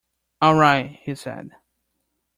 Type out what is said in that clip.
"All right," he said.